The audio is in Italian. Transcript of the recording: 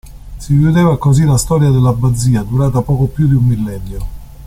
Si chiudeva così la storia dell'abbazia, durata poco più di un millennio.